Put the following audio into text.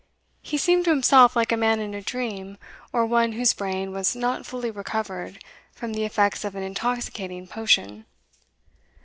He seemed to himself like a man in a dream, or one whose brain was not fully recovered from the effects of an intoxicating potion.